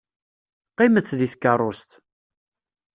Qqimet deg tkeṛṛust.